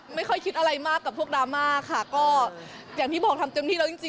ไม่ค่อยคิดอะไรมากกับพวกดราม่าค่ะก็อย่างที่บอกทำเต็มที่แล้วจริงจริง